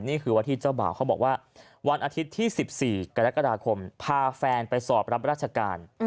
นี่คือวันที่เจ้าบ่าวเขาบอกว่าวันอาทิตย์ที่๑๔กรกฎาคมพาแฟนไปสอบรับราชการ